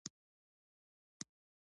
مثانه ادرار ذخیره کوي